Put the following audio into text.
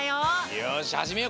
よしはじめようか。